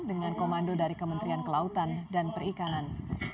dengan komando dari kementerian kelautan dan perikanan